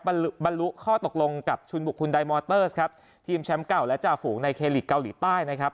บรรลุข้อตกลงกับชุนบุคคลไดมอเตอร์สครับทีมแชมป์เก่าและจ่าฝูงในเคลีกเกาหลีใต้นะครับ